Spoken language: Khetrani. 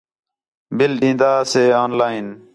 بِل ݙین٘دا سے آن لائن